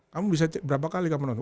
kamu bisa berapa kali kamu nonton